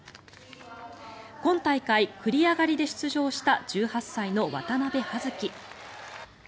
今大会、繰り上がりで出場した１８歳の渡部葉月。